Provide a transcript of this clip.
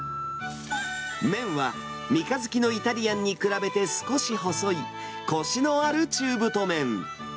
麺はみかづきのイタリアンに比べて少し細い、こしのある中太麺。